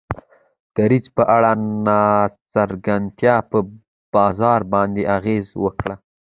دریځ په اړه ناڅرګندتیا په بازار باندې اغیزه وکړه.